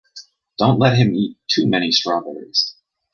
Don't let him eat too many strawberries.